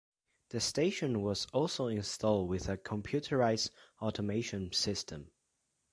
The station was also installed with a computerized automation system.